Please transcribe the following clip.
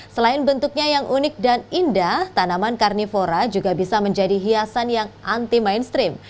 selain bentuknya yang unik dan indah tanaman karnivora juga bisa menjadi hiasan yang anti mainstream